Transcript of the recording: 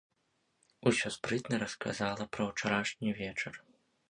Усё спрытна расказала пра ўчарашні вечар.